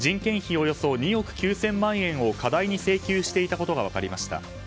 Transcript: およそ２億９０００万円を過大に請求していたことが分かりました。